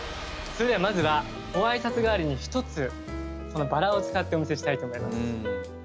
それではまずはご挨拶代わりにひとつバラを使ってお見せしたいと思います。